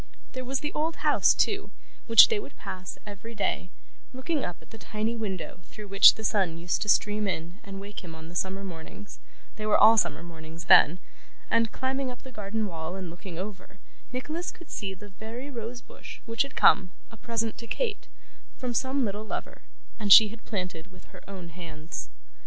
There was the old house too, which they would pass every day, looking up at the tiny window through which the sun used to stream in and wake him on the summer mornings they were all summer mornings then and climbing up the garden wall and looking over, Nicholas could see the very rose bush which had come, a present to Kate, from some little lover, and she had planted with her own hands.